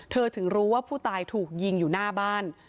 ถึงรู้ว่าผู้ตายถูกยิงอยู่หน้าบ้าน